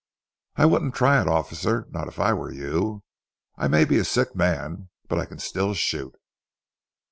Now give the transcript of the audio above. "I wouldn't try it, officer, not if I were you. I may be a sick man, but I can still shoot."